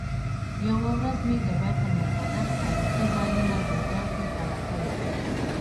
یوه ورځ مې د بیت المقدس تاریخي ځایونه ګوګل کې پلټل.